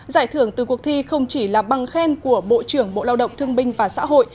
giải thưởng từ cuộc thi không chỉ là bằng khen của bộ trưởng bộ lao động thương binh và xã hội